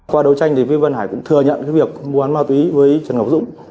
qua đấu tranh thì vi văn hải cũng thừa nhận việc mua bán ma túy với trần ngọc dũng